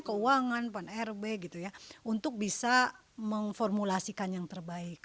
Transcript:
keuangan pan rb gitu ya untuk bisa memformulasikan yang terbaik